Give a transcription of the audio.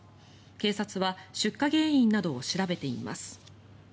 警察は出火原因などを調べています。